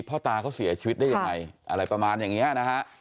พ่อตาเขาเสียชีวิตได้ยังไงอะไรประมาณอย่างนี้นะฮะ